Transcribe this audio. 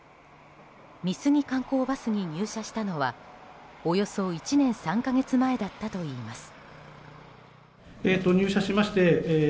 美杉観光バスに入社したのはおよそ１年３か月前だったといいます。